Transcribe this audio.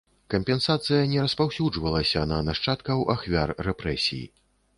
Кампенсацыя не распаўсюджвалася на нашчадкаў ахвяр рэпрэсій.